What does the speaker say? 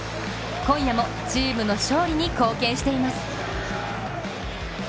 今夜もチームの勝利に貢献しています。